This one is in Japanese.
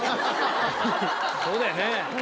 そうだよね。